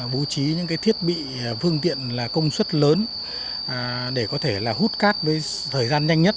bố trí những cái thiết bị phương tiện công suất lớn để có thể là hút cát với thời gian nhanh nhất